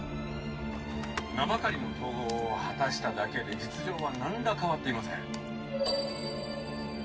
「名ばかりの統合を果たしただけで実情はなんら変わっていません」